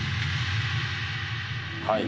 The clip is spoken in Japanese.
「はい」